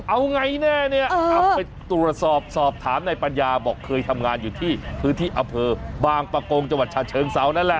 เอาไงแน่เนี่ยเอาไปตรวจสอบสอบถามนายปัญญาบอกเคยทำงานอยู่ที่พื้นที่อำเภอบางปะโกงจังหวัดชาเชิงเซานั่นแหละ